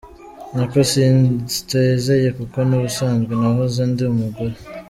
Nako sinsezeye kuko n’ubusanzwe nahoze ndi umugore.